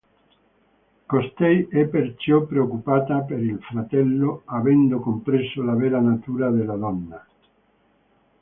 Costei è perciò preoccupata per il fratello, avendo compreso la vera natura della donna.